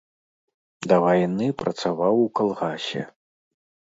Да вайны працаваў у калгасе.